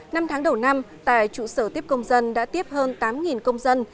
năm tháng đầu năm tại trụ sở tiếp công dân đã tiếp hơn tám công dân